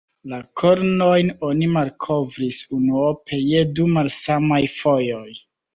La kornojn oni malkovris unuope je du malsamaj fojoj.